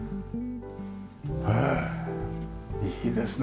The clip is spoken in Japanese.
へえいいですね